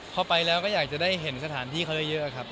พอไปแล้วก็อยากจะได้เห็นสถานที่เขาเยอะครับ